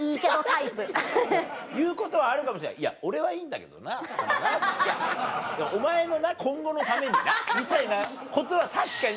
言うことはあるかもしれない「いや俺はいいんだけどなお前のな今後のためにな」みたいなことは確かに。